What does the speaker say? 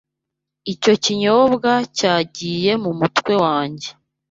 Icyo kinyobwa cyagiye mumutwe wanjye.